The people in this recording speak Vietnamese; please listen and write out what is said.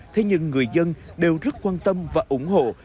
thế nhưng người dân đều rất quan tâm và ủng hộ